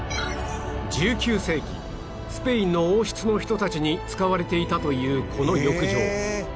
１９世紀スペインの王室の人たちに使われていたというこの浴場